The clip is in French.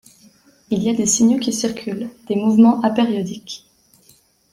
il y a des signaux qui circulent, des mouvements apériodiques.